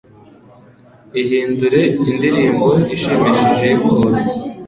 Ihindure indirimbo ishimishije yukuntu